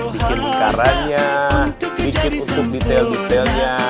bikin caranya bikin untuk detail detailnya